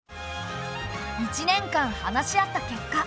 １年間話し合った結果